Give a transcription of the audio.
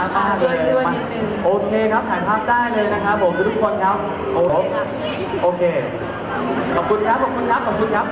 น่ารักมากเลยโอเคครับถ่ายภาพได้เลยนะครับทุกคนครับ